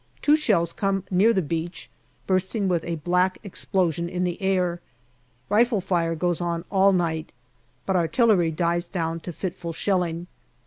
Two shells come near the beach, bursting with a black explosion in the air. Rifle fire goes on all night, but artillery dies down to fitful shelling.